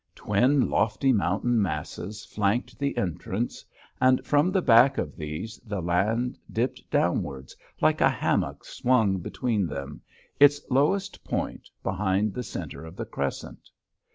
Twin lofty mountain masses flanked the entrance and from the back of these the land dipped downwards like a hammock swung between them, its lowest point behind the center of the crescent.